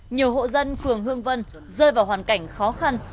nhiều hộ dân phường hương vân rơi vào hoàn cảnh khó khăn